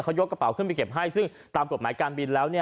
เขายกกระเป๋าขึ้นไปเก็บให้ซึ่งตามกฎหมายการบินแล้ว